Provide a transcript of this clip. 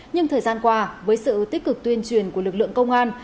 nhưng thời gian qua với sự tích cực tuyên truyền của lực lượng công an